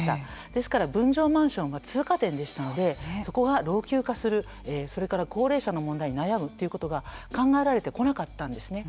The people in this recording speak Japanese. ですから、分譲マンションは通過点でしたのでそこが老朽化するそれから高齢者の問題に悩むということが考えられてこなかったんですね。